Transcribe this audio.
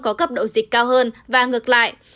có cấp độ dịch cao hơn và ngược lại